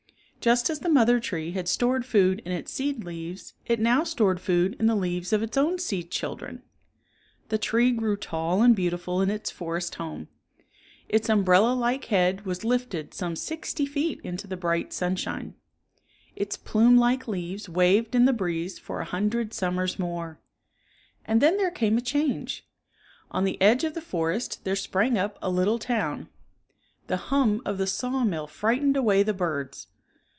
Just as the mother tree had stored food in its seed leaves, it now stored food in the leaves of its own seed children. The tree grew tall and beautiful in its forest home. Its umbrellalike head was lifted some sixty feet into the bright sunshine. Its plumelike leaves waved in the breeze for a hundred summers more. And then there came a change. On the edge of the forest there sprang up a little town. The hum of the sawmill frightened away the birds.